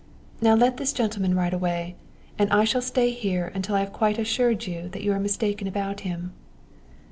Now let this gentleman ride away, and I shall stay here until I have quite assured you that you are mistaken about him."